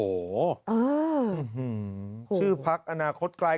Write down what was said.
อื้อฮือชื่อพักอนาคตไกล